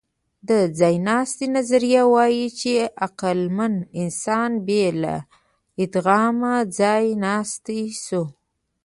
د ځایناستي نظریه وايي، چې عقلمن انسان بې له ادغام ځایناستی شو.